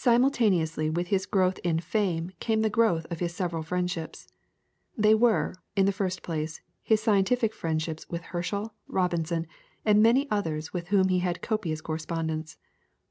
Simultaneously with his growth in fame came the growth of his several friendships. There were, in the first place, his scientific friendships with Herschel, Robinson, and many others with whom he had copious correspondence.